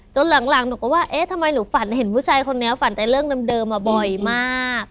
หลังหนูก็ว่าเอ๊ะทำไมหนูฝันเห็นผู้ชายคนนี้ฝันแต่เรื่องเดิมมาบ่อยมาก